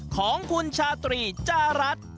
ของคุณชาตรีจารัฐ